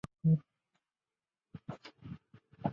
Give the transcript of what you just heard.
最终法案仍获国会大部份议员支持而通过。